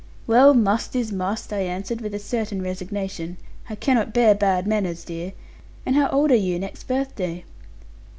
'Well, must is must,' I answered, with a certain resignation. 'I cannot bear bad manners, dear; and how old are you next birthday?'